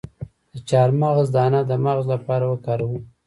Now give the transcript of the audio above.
د چارمغز دانه د مغز لپاره وکاروئ